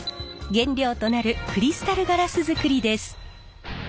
原料となるクリスタルガラスづくりです。